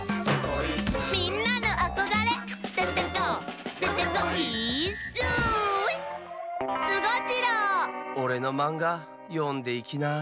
「みんなのあこがれ」「デテコデテコイーッス」おれのマンガよんでいきな。